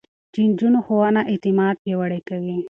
د نجونو ښوونه اعتماد پياوړی کوي.